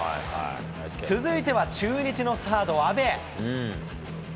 続いては中日のサード、阿部。